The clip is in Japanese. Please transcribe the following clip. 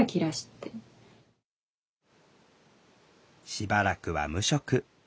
しばらくは無職。